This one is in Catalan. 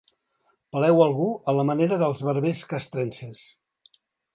Peleu algú a la manera dels barbers castrenses.